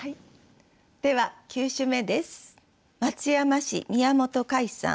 では９首目です。